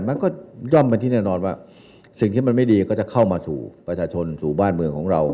มันก็ย่อมเป็นที่แน่นอนว่าสิ่งที่มันไม่ดีก็จะเข้ามาสู่ประชาชนสู่บ้านเมืองของเรา